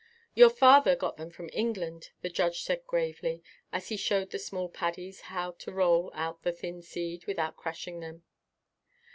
"Your father got them from England," the judge said gravely, as he showed the small paddies how to roll out the thin seed without crushing them.